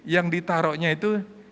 yang ditaroknya itu